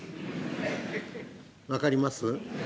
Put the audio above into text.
分かります？